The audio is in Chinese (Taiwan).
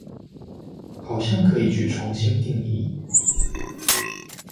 好像可以去重新定義